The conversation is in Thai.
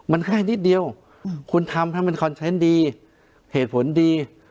มันใกล้นิดเดียวหือคุณทำทำเป็นคอนเทรนดี้เหตุผลดี